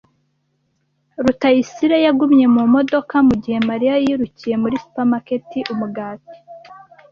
Rutayisire yagumye mu modoka mugihe Mariya yirukiye muri supermarket umugati.